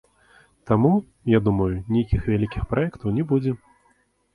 Таму, я думаю, нейкіх вялікіх праектаў не будзе.